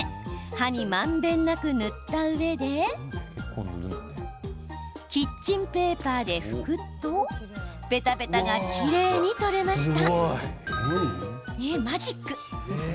刃にまんべんなく塗ったうえでキッチンペーパーで拭くとベタベタがきれいに取れました。